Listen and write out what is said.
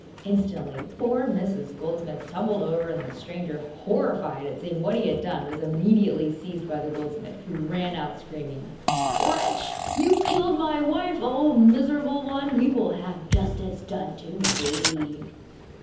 Instantly poor Mrs. Goldsmith tumbled over; and the stranger, horrified at seeing what he had done, was immediately seized by the goldsmith, who ran out screaming: 'Wretch! you have killed my wife! Oh, miserable one; we will have justice done to thee!